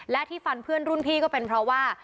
และที่ฟันเพื่อนรุ่นพี่ก็เป็นเพราะว่า